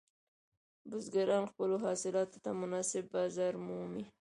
بزګران خپلو حاصلاتو ته مناسب بازار مومي.